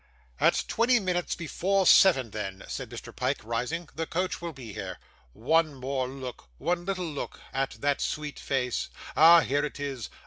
'At twenty minutes before seven, then,' said Mr. Pyke, rising, 'the coach will be here. One more look one little look at that sweet face. Ah! here it is.